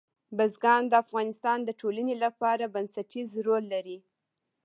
بزګان د افغانستان د ټولنې لپاره بنسټيز رول لري.